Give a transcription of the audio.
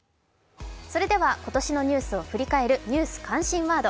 今年のニュースを振り返るニュース関心ワード。